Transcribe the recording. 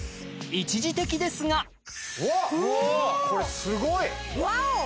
一時的ですがこれすごい！ワオ！